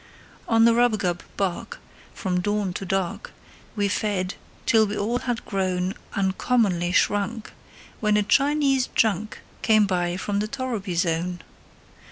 On rubagub bark, from dawn to dark, We fed, till we all had grown Uncommonly shrunk, when a Chinese junk Came by from the torriby zone.